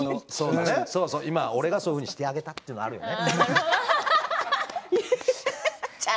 俺がそういうふうにしてあげたっていうのもあるよね。